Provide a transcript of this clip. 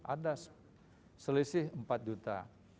ada selisih empat juta